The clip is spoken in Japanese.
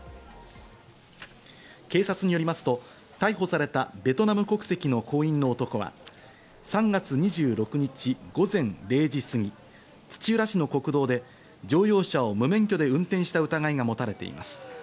警察によりますと、逮捕されたベトナム国籍の工員の男は３月２６日午前０時すぎ、土浦市の国道で乗用車を無免許で運転した疑いが持たれています。